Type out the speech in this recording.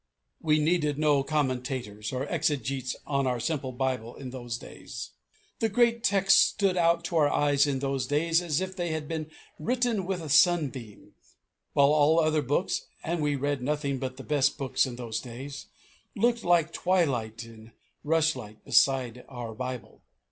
We needed no commentators or exegetes on our simple Bible in those days. The great texts stood out to our eyes in those days as if they had been written with a sunbeam; while all other books (and we read nothing but the best books in those days) looked like twilight and rushlight beside our Bible.